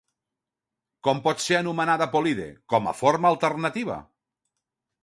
Com pot ser anomenada Polide, com a forma alternativa?